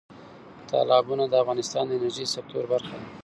تالابونه د افغانستان د انرژۍ سکتور برخه ده.